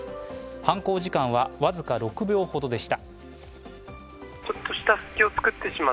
犯行時間は僅か６秒ほどでした。